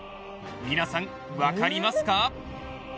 皆さん、分かりますか？